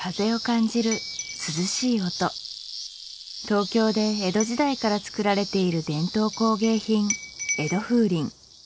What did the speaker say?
東京で江戸時代から作られている伝統工芸品江戸風鈴